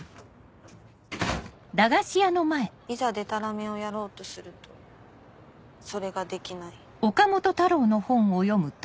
「いざでたらめをやろうとするとそれができない」。